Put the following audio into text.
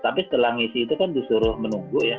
tapi setelah ngisi itu kan disuruh menunggu ya